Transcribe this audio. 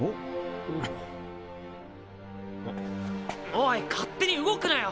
おい勝手に動くなよ！